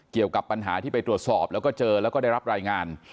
เกี่ยวกับปัญหาที่ไปตรวจสอบแล้วก็เจอแล้วก็ได้รับรายงาน